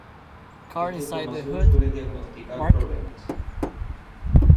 Esta información suele diagnosticar problemas.